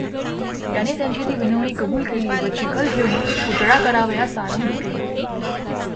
त्याने त्यांची ती विनवणी कबूल केली व चिखल घेऊन पुतळा करावयास आरंभ केला.